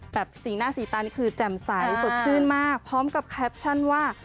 สีหน้าสีตานี่คือแจ่มใสสดชื่นมากพร้อมกับแคปชั่นว่า